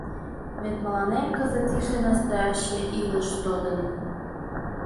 Вет мыланем кызыт иже настоящий илыш тодын.